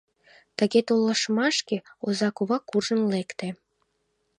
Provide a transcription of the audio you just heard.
Тыге толашымашке оза кува куржын лекте.